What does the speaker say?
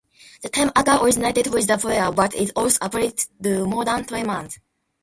The term aka originated with the proa, but is also applied to modern trimarans.